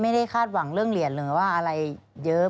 คาดหวังเรื่องเหรียญหรือว่าอะไรเยอะ